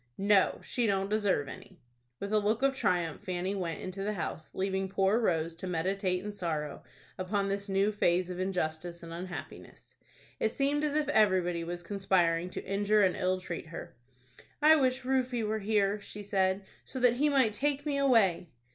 "No, she don't deserve any." With a look of triumph Fanny went into the house, leaving poor Rose to meditate in sorrow upon this new phase of injustice and unhappiness. It seemed as if everybody was conspiring to injure and ill treat her. "I wish Rufie were here," she said, "so that he might take me away."